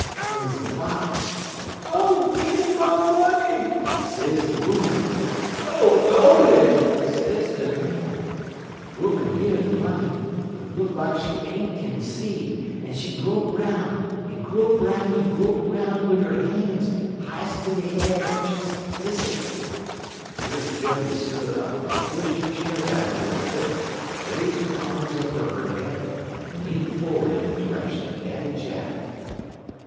_' sez de box; 'Oh, gim me my money!' sez de 'Oman; 'O Lordy!' sez de Man. 'Oman year de money, but look like she ain't kin see, en she grope 'roun', en grope 'roun', en grope 'roun' wid 'er han' h'ist in de a'r des dis away." Here 'Tildy stood up, pushed her chair back with her foot, raised her arms over her head, and leaned forward in the direction of Daddy Jack.